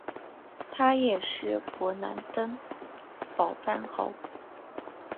他也是勃兰登堡藩侯。